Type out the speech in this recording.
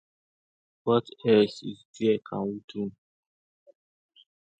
What else is there we can do?